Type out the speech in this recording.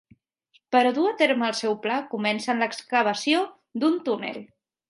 Per dur a terme el seu pla comencen l'excavació d'un túnel.